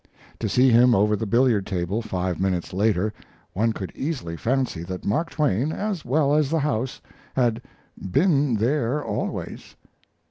To see him over the billiard table, five minutes later, one could easily fancy that Mark Twain, as well as the house, had "been there always."